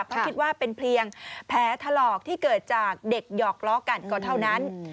เพราะคิดว่าเป็นเพียงแผลถลอกที่เกิดจากเด็กหยอกล้อกันก็เท่านั้น